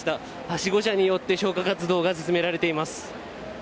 はしご車によって消火活動が進められています。